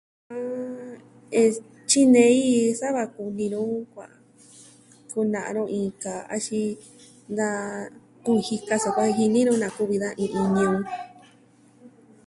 Es... Tyinei ji sa va kuni nu kua kuna'a nu iin kaa axin da kujika sukuan jen jini nu na kuvi da iin iin ñuu.